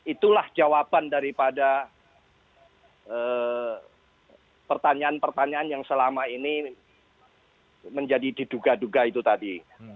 itulah jawaban daripada pertanyaan pertanyaan yang selama ini menjadi diduga duga itu tadi